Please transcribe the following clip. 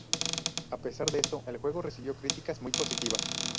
A pesar de esto, el juego recibió críticas muy positivas.